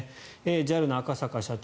ＪＡＬの赤坂社長